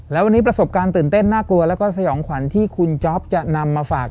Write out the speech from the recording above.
แล้ววันนี้ประสบการณ์ตื่นเต้นน่ากลัวแล้วก็สยองขวัญที่คุณจ๊อปจะนำมาฝาก